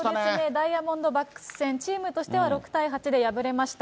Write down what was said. ダイヤモンドバックス戦、チームとしては６対８で敗れました。